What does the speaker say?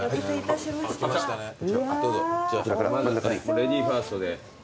レディーファーストで。